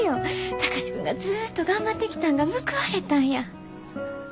貴司君がずっと頑張ってきたんが報われたんや。